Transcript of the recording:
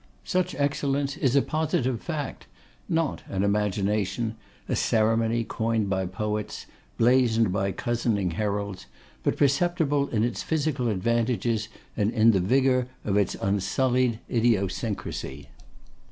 Such excellence is a positive fact; not an imagination, a ceremony, coined by poets, blazoned by cozening heralds, but perceptible in its physical advantages, and in the vigour of its unsullied idiosyncrasy.